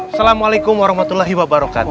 assalamualaikum warahmatullahi wabarakatuh